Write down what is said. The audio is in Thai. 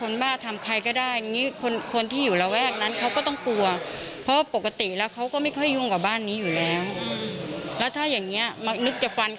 และคนที่เสียหาย